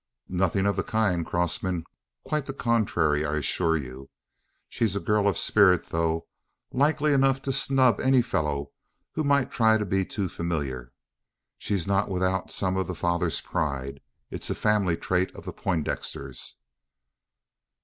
"Nothing of the kind, Crossman. Quite the contrary, I assure you. She's a girl of spirit, though likely enough to snub any fellow who might try to be too familiar. She's not without some of the father's pride. It's a family trait of the Poindexters."